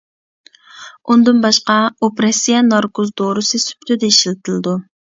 ئۇندىن باشقا ئوپېراتسىيە ناركوز دورىسى سۈپىتىدە ئىشلىتىلىدۇ.